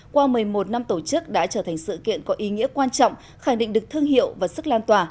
qua một mươi một năm tổ chức đã trở thành sự kiện có ý nghĩa quan trọng khẳng định được thương hiệu và sức lan tỏa